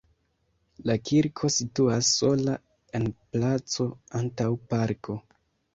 La kirko situas sola en placo antaŭ parko.